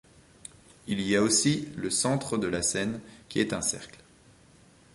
Il y a aussi le centre de la scène qui est un cercle.